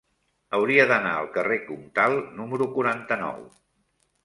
Hauria d'anar al carrer Comtal número quaranta-nou.